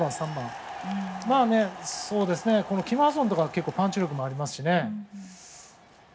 キム・ハソンとかパンチ力もありますしね。